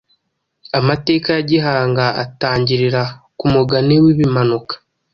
Amateka ya Gihanga atangirira ku mugani w’ Ibimanuka .